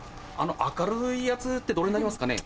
明るいやつってどれになりますかね？